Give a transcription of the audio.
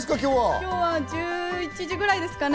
今日は１１時ぐらいですかね。